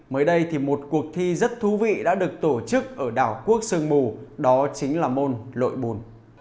mới đây thì một cuộc thi rất thú vị đã được tổ chức ở đảo quốc sơn mù đó chính là môn lội bùn